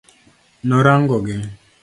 Norango gi.